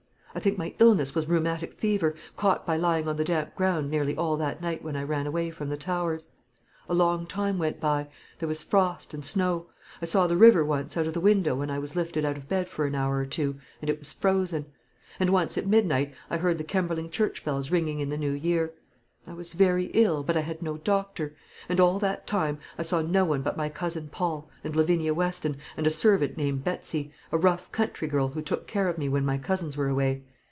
I think my illness was rheumatic fever, caught by lying on the damp ground nearly all that night when I ran away from the Towers. A long time went by there was frost and snow. I saw the river once out of the window when I was lifted out of bed for an hour or two, and it was frozen; and once at midnight I heard the Kemberling church bells ringing in the New Year. I was very ill, but I had no doctor; and all that time I saw no one but my cousin Paul, and Lavinia Weston, and a servant called Betsy, a rough country girl, who took care of me when my cousins were away.